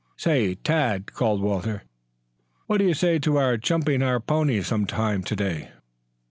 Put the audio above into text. "Say, Tad," called Walter, "what do you say to our jumping our ponies some time to day?"